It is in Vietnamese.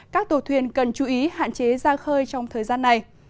các tàu thuyền cần chú ý hạn chế ra khơi trong thời gian này